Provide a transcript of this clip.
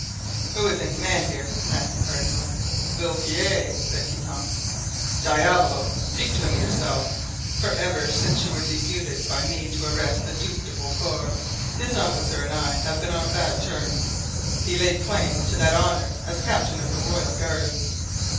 "Who is in command here?" asked the cardinal. "Villequier," said Guitant. "Diavolo! Speak to him yourself, for ever since you were deputed by me to arrest the Duc de Beaufort, this officer and I have been on bad terms. He laid claim to that honor as captain of the royal guards."